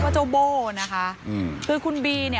เจ้าโบ้นะคะ